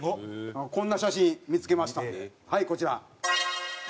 こんな写真見付けましたんではいこちら。